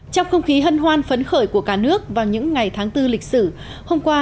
trong không khí hân hoan phấn khởi của cả nước vào những ngày tháng bốn lịch sử hôm qua